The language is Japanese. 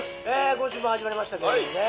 「今週も始まりましたけどもね」